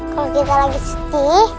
kalau kita lagi setih